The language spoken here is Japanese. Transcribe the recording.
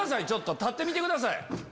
ちょっと立ってみてください。